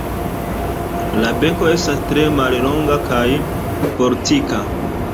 La beko estas tre mallonga kaj fortika.